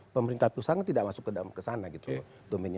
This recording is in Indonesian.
pemerintah pusatnya tidak masuk ke sana gitu